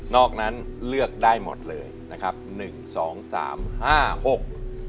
อกนั้นเลือกได้หมดเลยนะครับหนึ่งสองสามห้าหก